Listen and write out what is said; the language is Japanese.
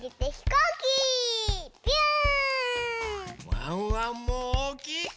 ワンワンもおおきいひ